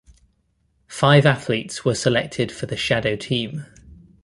Five athletes were selected for the shadow team.